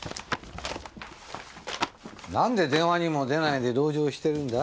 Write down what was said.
なんで電話にも出ないで篭城してるんだ？